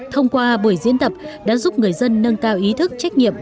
thông qua buổi diễn tập đã giúp người dân nâng cao ý thức trách nhiệm